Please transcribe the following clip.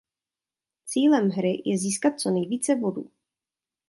Cílem hry je získat co nejvíce bodů.